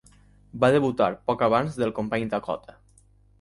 Va debutar poc abans del company Dakota.